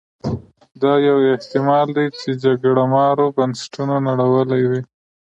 دا یو احتما ل دی چې جګړه مارو بنسټونه نړولي وي.